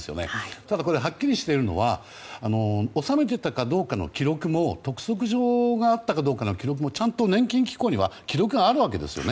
ただ、これはっきりしているのは納めていたかどうかの記録も、督促状があったかどうかの記録もちゃんと年金機構には記録があるわけですよね。